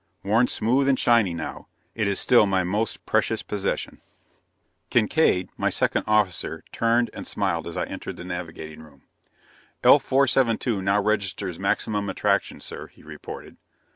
Worn smooth and shiny now, it is still my most precious possession. Kincaide, my second officer, turned and smiled as I entered the navigating room. "L 472 now registers maximum attraction, sir," he reported.